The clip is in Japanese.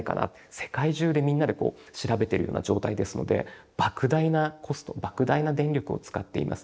世界中でみんなでこう調べてるような状態ですのでばく大なコストばく大な電力を使っています。